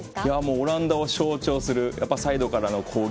オランダを象徴するサイドからの攻撃。